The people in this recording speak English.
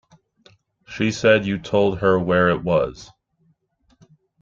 She said you told her where it was.